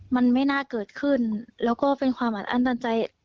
มันไม่น่าเกิดขึ้นแล้วก็เป็นความอัดอั้นตันใจ